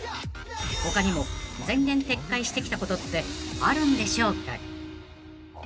［他にも前言撤回してきたことってあるんでしょうか］